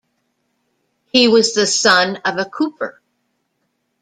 He was the son of a cooper.